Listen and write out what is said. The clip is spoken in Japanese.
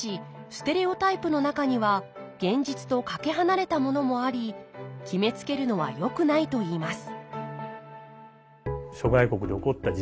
ステレオタイプの中には現実とかけ離れたものもあり決めつけるのはよくないといいます